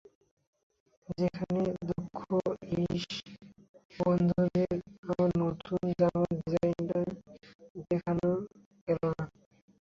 সেখানে দুঃখ, ইশ্, বন্ধুদের আমার নতুন জামার ডিজাইনটা দেখানো গেল না।